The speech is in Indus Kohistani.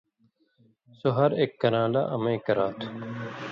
سو ہر ایک کران٘لہ امَیں کرا تُھو